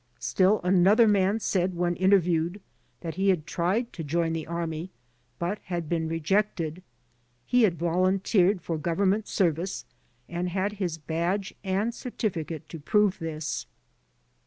Still another man said when interviewed, that he had tried to join the army, but had been rejected. He had volunteered for Govern ment service and had his badge and certificate to prove this.